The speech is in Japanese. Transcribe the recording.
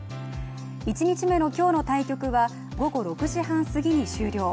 １日目の今日の対局は午後６時半すぎに終了。